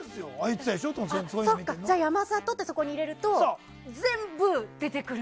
山里ってそこに入れると全部出てくる。